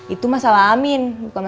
itu masalah amin bukan masalah imas